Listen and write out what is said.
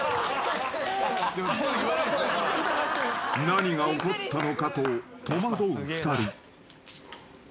［何が起こったのかと戸惑う２人］